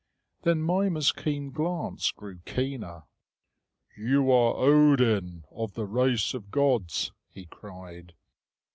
Then Mimer's keen glance grew keener. "You are Odin, of the race of gods," he cried.